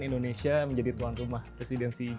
indonesia menjadi tuan rumah presidensi g dua puluh